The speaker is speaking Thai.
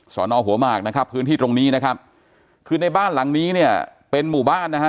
สอนอหัวหมากนะครับพื้นที่ตรงนี้นะครับคือในบ้านหลังนี้เนี่ยเป็นหมู่บ้านนะฮะ